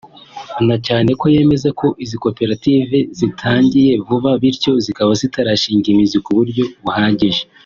na cyane ko yemeza ko izi koperative zitangiye vuba bityo zikaba zitarashinga imizi ku buryo buhagije